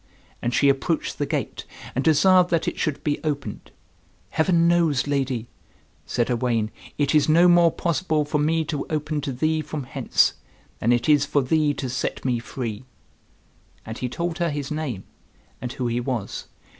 And she approached the gate, and desired that it should be opened. "Heaven knows, lady," said Owain, "it is no more possible for me to open to thee from hence, than it is for thee to set me free." And he told her his name, and who he was.